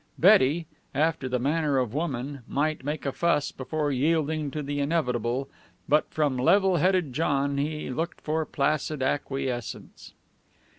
Betty, after the manner of woman, might make a fuss before yielding to the inevitable, but from level headed John he looked for placid acquiescence.